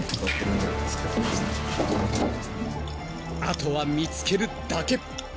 ［あとは見つけるだけ］